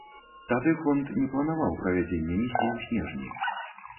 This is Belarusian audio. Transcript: Тады фонд не планаваў правядзенне місіі ў снежні.